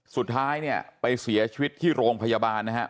สุดท้ายเนี่ยไปเสียชีวิตที่โรงพยาบาลนะครับ